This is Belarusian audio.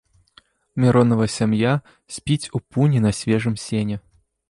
Міронава сям'я спіць у пуні на свежым сене.